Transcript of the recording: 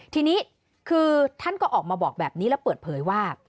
ทีนี้คือท่านก็ออกมาบอกแบบนี้แล้วเปิดเผยว่า